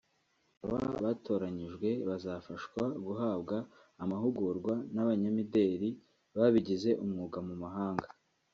Aba batoranyijwe bazafashwa guhabwa amahugurwa n’abanyamideli babigize umwuga mu mahanga